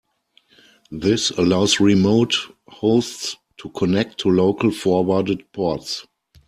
This allows remote hosts to connect to local forwarded ports.